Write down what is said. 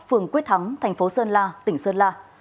phường quyết thắng thành phố sơn la tỉnh sơn la